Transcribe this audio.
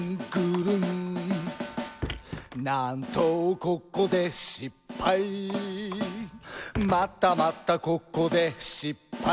ここでしっぱい」「またまたここでしっぱい」